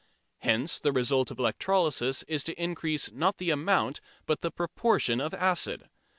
Hence the result of electrolysis is to increase not the amount, but the proportion of acid.